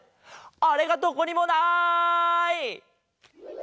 あれがどこにもない！